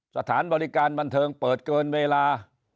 สถานบริการบันเทิงเปิดเกินเวลา